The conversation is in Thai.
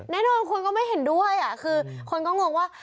แน่นอนคุณก็ไม่เห็นด้วยคือคนก็งงว่า